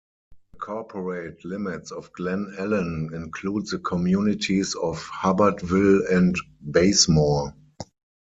The corporate limits of Glen Allen include the communities of Hubbertville and Bazemore.